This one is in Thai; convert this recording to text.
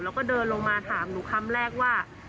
แล้วก็เดินลงมาถามหนูคำแรกว่า